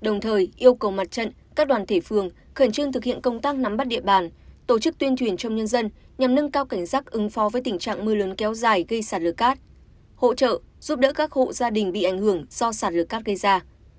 đồng thời yêu cầu mặt trận các đoàn thể phường khẩn trương thực hiện công tác nắm bắt địa bàn tổ chức tuyên truyền trong nhân dân nhằm nâng cao cảnh giác ứng phó với tình trạng mưa lớn kéo dài gây sạt lở cát hỗ trợ giúp đỡ các hộ gia đình bị ảnh hưởng do sạt lở cát gây ra